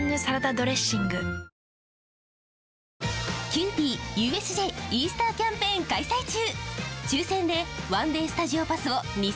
キユーピーＵＳＪイースターキャンペーン開催中！